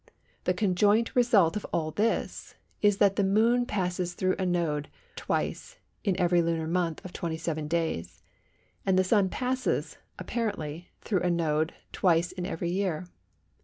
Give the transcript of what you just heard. The conjoint result of all this is that the Moon passes through a Node twice in every lunar month of 27 days, and the Sun passes (apparently) through a Node twice in every year.